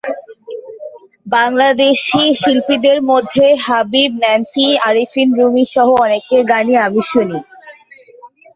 বাংলাদেশি শিল্পীদের মধ্যে হাবিব, ন্যান্সি, আরফিন রুমিসহ অনেকের গানই আমি শুনি।